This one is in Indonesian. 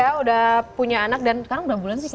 saya juga punya anak dan sekarang berapa bulan sih